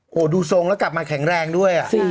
โอ้โหดูทรงแล้วกลับมาแข็งแรงด้วย